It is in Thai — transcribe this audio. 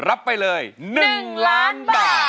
รับไปเลย๑ล้านบาท